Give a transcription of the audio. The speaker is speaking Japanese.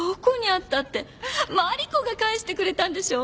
マリコが返してくれたんでしょ？